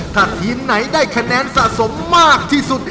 ถ้าทีมไหนได้คะแนนสะสมมากที่สุด